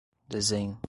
desenho